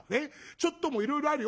ちょっともいろいろあるよ。